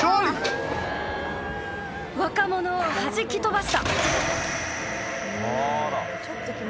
［若者をはじき飛ばした］